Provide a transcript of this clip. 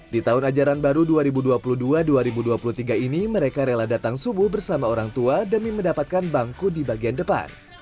di tahun ajaran baru dua ribu dua puluh dua dua ribu dua puluh tiga ini mereka rela datang subuh bersama orang tua demi mendapatkan bangku di bagian depan